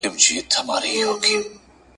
نړيوالي اړیکي د همکارۍ لپاره یو طلایي فرصت دی.